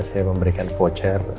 saya memberikan voucher